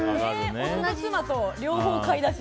夫と妻と両方買い出し。